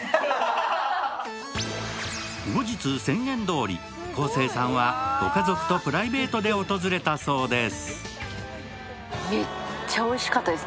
後日、宣言どおり、昴生さんはご家族とプライベートで訪れたそうです。